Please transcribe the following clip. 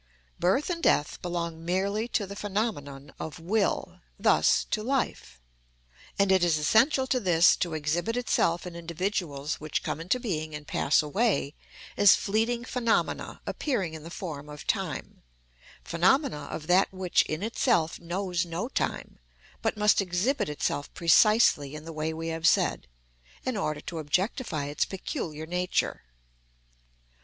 Birth and death belong merely to the phenomenon of will, thus to life; and it is essential to this to exhibit itself in individuals which come into being and pass away, as fleeting phenomena appearing in the form of time—phenomena of that which in itself knows no time, but must exhibit itself precisely in the way we have said, in order to objectify its peculiar nature.